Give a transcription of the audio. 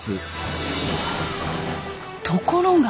ところが。